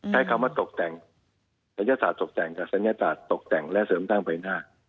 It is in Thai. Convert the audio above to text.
ให้คำว่าตกแต่งศัยศาสตร์ตกแต่งกับศัลยศาสตร์ตกแต่งและเสริมสร้างใบหน้า